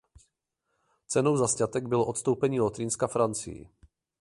Cenou za sňatek bylo odstoupení Lotrinska Francii.